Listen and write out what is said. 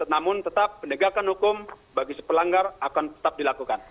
namun tetap pendegakan hukum bagi si pelanggar akan tetap dilakukan